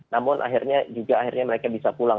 namun akhirnya juga akhirnya mereka bisa pulang